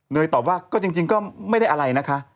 ตอบว่าก็จริงก็ไม่ได้อะไรนะคะ